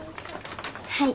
はい。